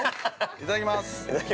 いただきます！